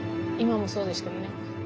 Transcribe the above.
今もそうですけどね。